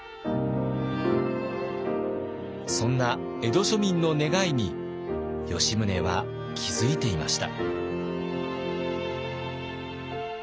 そんな江戸庶民の願いに吉宗は気付いていました。